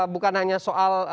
bukan hanya soal